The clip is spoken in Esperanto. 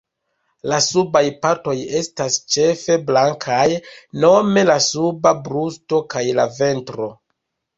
La subaj partoj estas ĉefe blankaj nome la suba brusto kaj la ventro.